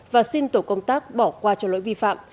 và xin tổ công tác bỏ qua cho lỗi vi phạm